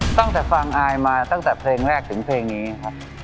ตั้งแต่ฟังอายมาตั้งแต่เพลงแรกถึงเพลงนี้ครับ